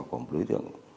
của một đối tượng